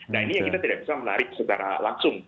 nah ini yang kita tidak bisa menarik secara langsung